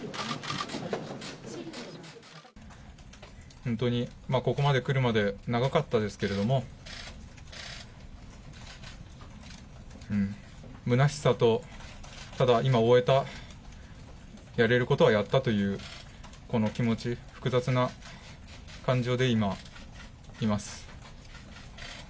本当にここまでくるまで長かったですけれども、むなしさと、ただ、今終えた、やれることはやったというこの気持ち、複雑な感情で今、います。